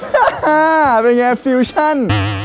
ฮ่าฮ่าเป็นไงฟิวชั่น